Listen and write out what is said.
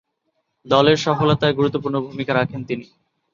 দলের সফলতায় গুরুত্বপূর্ণ ভূমিকা রাখেন তিনি।